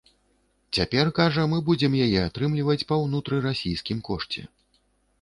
Цяпер, кажа, мы будзем яе атрымліваць па ўнутрырасійскім кошце.